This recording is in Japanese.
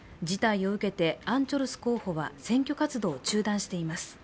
事態を受けてアン・チョルス候補は選挙活動を中断しています。